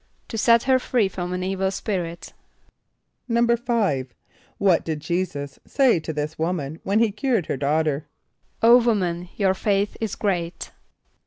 =To set her free from an evil spirit.= =5.= What did J[=e]´[s+]us say to this woman when he cured her daughter? ="O woman, your faith is great."